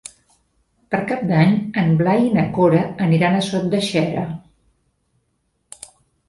Per Cap d'Any en Blai i na Cora aniran a Sot de Xera.